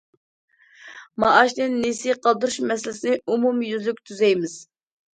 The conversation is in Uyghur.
مائاشنى نېسى قالدۇرۇش مەسىلىسىنى ئومۇميۈزلۈك تۈزەيمىز.